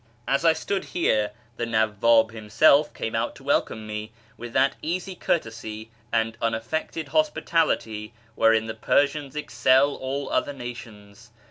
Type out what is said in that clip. ! As I stood here the Nawwab himself came out to welcome ime with that easy courtesy and unaffected hospitality wherein the Persians excel all other nations.